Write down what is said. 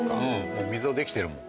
もう溝できてるもん。